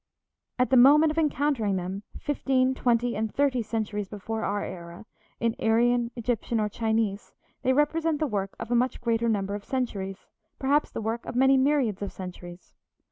At the moment of encountering them, fifteen, twenty, and thirty centuries before our era, in an Aryan, Egyptian, or Chinese, they represent the work of a much greater number of centuries, perhaps the work of many myriads of centuries.